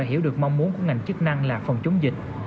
hiểu được mong muốn của ngành chức năng là phòng chống dịch